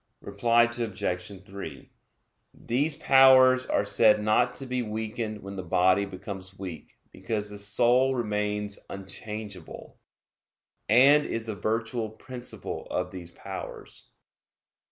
Reply Obj. 3: These powers are said not to be weakened when the body becomes weak, because the soul remains unchangeable, and is the virtual principle of these powers.